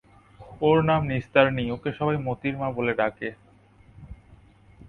ওর নাম নিস্তারিণী, ওকে সবাই মোতির মা বলে ডাকে।